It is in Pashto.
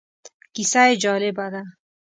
کیسه یې جالبه ده.